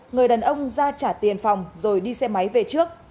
người đàn ông ra trả tiền phòng rồi đi xe máy về trước